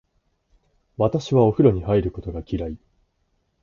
私はお風呂に入ることが嫌い。